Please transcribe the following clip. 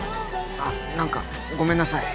あっなんかごめんなさい。